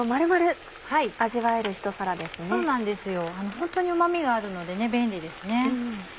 ホントにうま味があるので便利ですね。